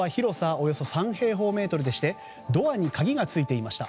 およそ３平方メートルでしてドアに鍵がついていました。